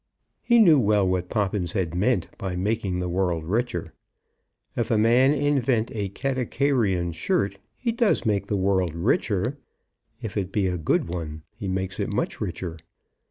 He knew well what Poppins had meant by making the world richer. If a man invent a Katakairion shirt, he does make the world richer; if it be a good one, he makes it much richer.